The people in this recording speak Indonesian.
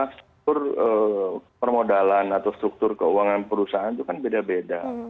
struktur permodalan atau struktur keuangan perusahaan itu kan beda beda